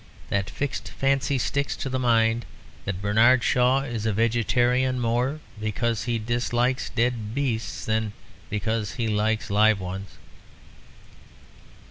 That fixed fancy sticks to the mind; that Bernard Shaw is a vegetarian more because he dislikes dead beasts than because he likes live ones.